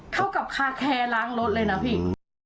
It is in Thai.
เข้ากับคาแคร์ล้างรถเลยนะพี่